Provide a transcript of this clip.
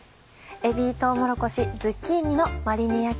「えびとうもろこしズッキーニのマリネ焼き」。